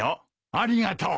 ありがとう。